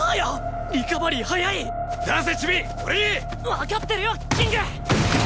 わかってるよキング！